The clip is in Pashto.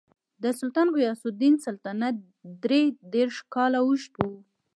د سلطان غیاث الدین سلطنت درې دېرش کاله اوږد و.